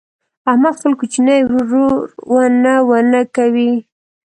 احمد خپل کوچنی ورور ونه ونه کوي.